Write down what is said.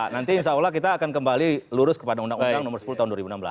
nanti insya allah kita akan kembali lurus kepada undang undang nomor sepuluh tahun dua ribu enam belas